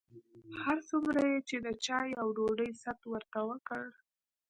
هر څومره یې چې د چایو او ډوډۍ ست ورته وکړ.